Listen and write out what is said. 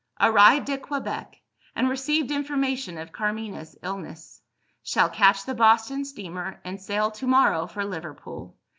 Arrived at Quebec, and received information of Carmina's illness. Shall catch the Boston steamer, and sail to morrow for Liverpool.